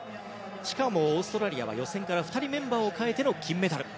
しかもオーストラリアは２人メンバーを変えての金メダル。